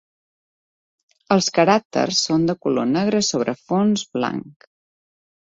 Els caràcters són de color negre sobre fons blanc.